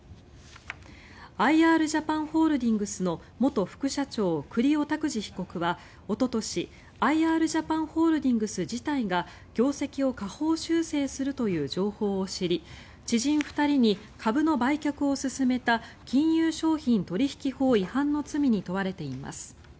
アイ・アールジャパンホールディングスの元副社長栗尾拓滋被告はおととし、アイ・アールジャパンホールディングス自体が業績を下方修正するという情報を知り知人２人に株の売却を勧めた金融商品取引法違反の罪に問われています。